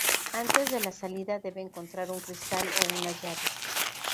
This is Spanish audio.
Antes de la salida debe encontrar un cristal o una llave.